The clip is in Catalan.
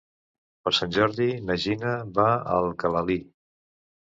Per Sant Jordi na Gina va a Alcalalí.